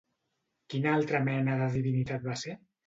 Quina altra mena de divinitat va ser?